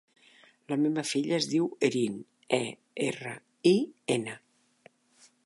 La meva filla es diu Erin: e, erra, i, ena.